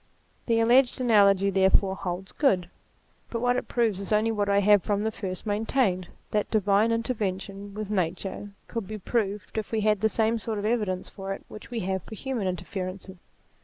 The alleged analogy therefore holds good: but what it proves is only what I have from the first maintained that divine interference with nature could be proved if we had the same sort of evidence for it which we have for human interferences.